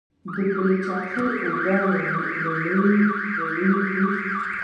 بلچراغ اوبه رڼې دي؟